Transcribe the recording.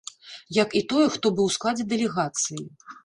Як і тое, хто быў у складзе дэлегацыі.